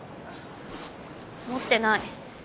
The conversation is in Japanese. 持ってない。